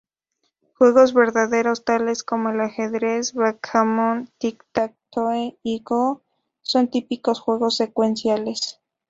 Juegos verdaderos tales como el ajedrez, backgammon, tic-tac-toe y Go son típicos juegos secuenciales.